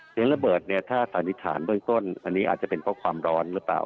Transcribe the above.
เสียงระเบิดเนี่ยถ้าสันนิษฐานเบื้องต้นอันนี้อาจจะเป็นเพราะความร้อนหรือเปล่า